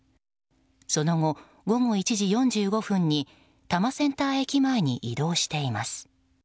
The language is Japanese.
その後、午後１時４５分に多摩センター駅前に移動しています。